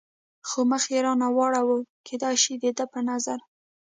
خو مخ یې را نه واړاوه، کېدای شي د ده په نظر.